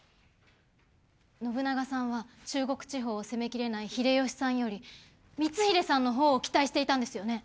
信長さんは中国地方を攻めきれない秀吉さんより光秀さんのほうを期待していたんですよね？